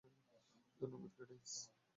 ধন্যবাদ, কেইডেন্স।